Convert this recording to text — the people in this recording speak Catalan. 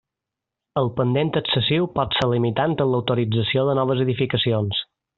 El pendent excessiu pot ser limitant en l'autorització de noves edificacions.